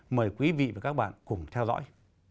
mời quý vị và các bạn cùng theo dõi